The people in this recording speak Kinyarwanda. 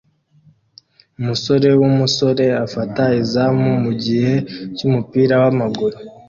Umusore wumusore afata izamu mugihe cyumupira wamaguru